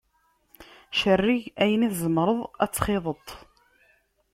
Cerreg ayen i tzemreḍ ad t-txiḍeḍ.